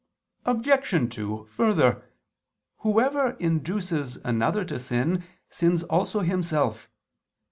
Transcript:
Obj. 2: Further, whoever induces another to sin, sins also himself.